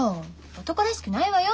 男らしくないわよ